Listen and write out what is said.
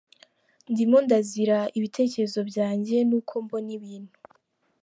Ndimo ndazira ibitekerezo byanjye n’uko mbona ibintu.